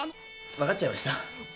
「分かっちゃいました？」